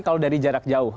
kalau dari jarak jauh